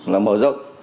là mở rộng